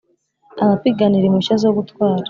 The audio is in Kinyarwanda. abapiganira impushya zo gutwara